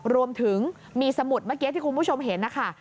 รวมถึงมีสมุดเมื่อกี้ที่คุณผู้ชมเห็นนะคะ